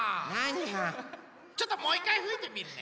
ちょっともういっかいふいてみるね。